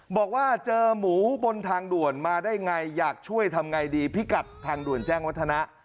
บอกว่าเจอหมูบนทางด่วนมาได้ไงอยากช่วยทำไงดีพิกัดทางด่วนแจ้งวัฒนะ